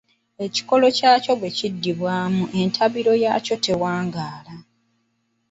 Ekikolo kyakyo bwe kiddibwamu entabiro yaakyo tewaangaala.